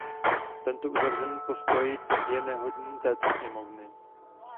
Tento uzavřený postoj je nehodný této sněmovny.